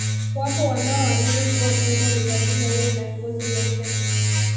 Wapo wanaoamini kuwa mrembo ni lazima uwe na ngozi nyeupe